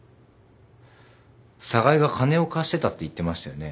寒河江が金を貸してたって言ってましたよね。